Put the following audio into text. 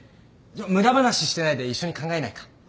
無駄話してないで一緒に考えないか？